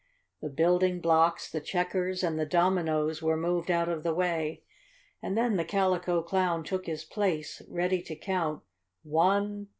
The building blocks, the checkers and the dominoes were moved out of the way, and then the Calico Clown took his place, ready to count "One!